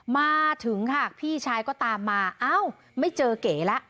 มาถึงพี่ชายก็ตามมาไม่เจอเก๋ละ